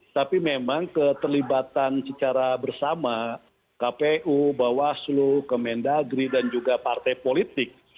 tapi memang keterlibatan secara bersama kpu bawaslu kemendagri dan juga partai politik